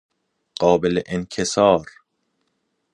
قابل انکسار